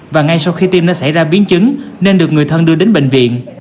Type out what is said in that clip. và ngay sau khi tiêm đã xảy ra biến chứng nên được người thân đưa đến bệnh viện